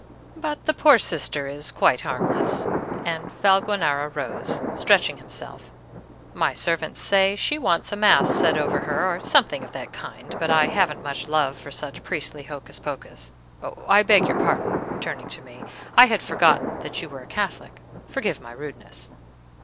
"But the poor Sister is quite harmless;" and Valguanera rose, stretching himself. "My servants say she wants a mass said over her, or something of that kind; but I haven't much love for such priestly hocus pocus, I beg your pardon" (turning to me), "I had forgotten that you were a Catholic: forgive my rudeness."